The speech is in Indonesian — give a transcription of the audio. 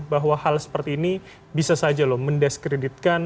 bahwa hal seperti ini bisa saja loh mendiskreditkan